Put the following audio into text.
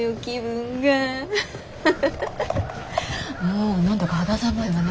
あ何だか肌寒いわね